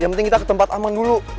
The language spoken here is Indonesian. yang penting kita ke tempat aman dulu